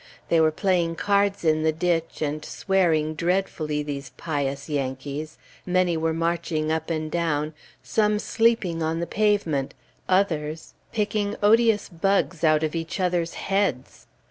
They were playing cards in the ditch, and swearing dreadfully, these pious Yankees; many were marching up and down, some sleeping on the pavement, others picking odious bugs out of each other's heads!